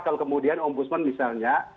kalau kemudian om budsman misalnya